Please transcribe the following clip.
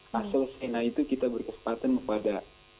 nah selesainya itu kita berkesempatan kepada